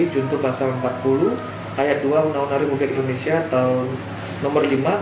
juntur pasal empat puluh ayat dua unang unari muget indonesia tahun nomor lima tahun